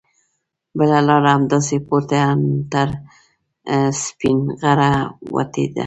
بله لاره همداسې پورته ان تر سپینغره وتې ده.